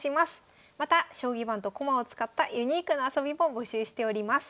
また「将棋盤と駒を使ったユニークな遊び」も募集しております。